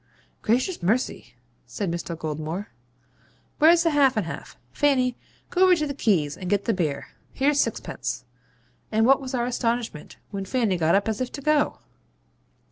'Gracious mercy!' says Mr. Goldmore. 'Where's the half and half? Fanny, go over to the 'Keys' and get the beer. Here's sixpence.' And what was our astonishment when Fanny got up as if to go!